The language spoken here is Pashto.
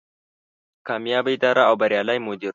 کاميابه اداره او بريالی مدير